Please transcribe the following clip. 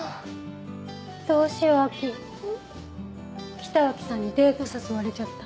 北脇さんにデート誘われちゃった。